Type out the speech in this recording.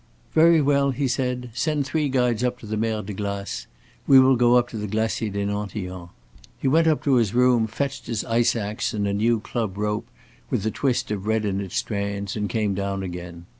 "Very well," he said. "Send three guides up the Mer de Glace. We will go up to the Glacier des Nantillons." He went up to his room, fetched his ice ax and a new club rope with the twist of red in its strands, and came down again.